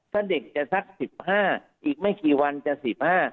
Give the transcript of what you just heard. ถ้าเด็กจะทัก๑๕อีกไม่กี่วันจะ๑๕